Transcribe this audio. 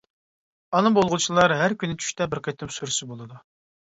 ئانا بولغۇچىلار ھەر كۈنى چۈشتە بىر قېتىم سۈرتسە بولىدۇ.